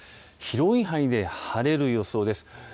広い範囲で晴れる予想です。